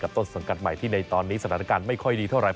ต้นสังกัดใหม่ที่ในตอนนี้สถานการณ์ไม่ค่อยดีเท่าไห